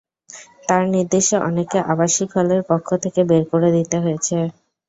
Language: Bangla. তাঁর নির্দেশে অনেককে আবাসিক হলের কক্ষ থেকে বের করে দিতে হয়েছে।